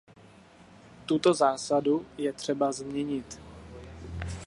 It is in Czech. Tuto zásadu je třeba změnit.